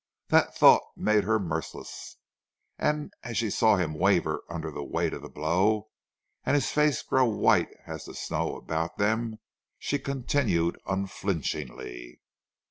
That thought made her merciless, and as she saw him waver under the weight of the blow and his face grow white as the snow about them, she continued unflinchingly.